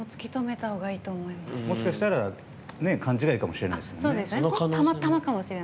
もしかしたら勘違いかもしれないですからね。